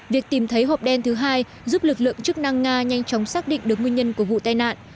việc tìm thấy hộp đen thứ hai giúp lực lượng chức năng nga nhanh chóng xác định được nguyên nhân của vụ tai nạn